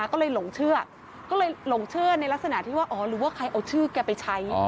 ก็เลยหลงเชื่อก็เลยหลงเชื่อในลักษณะที่ว่าอ๋อหรือว่าใครเอาชื่อแกไปใช้